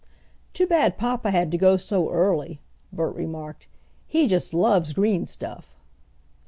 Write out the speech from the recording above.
"Too bad papa had to go so early," Bert remarked. "He just loves green stuff."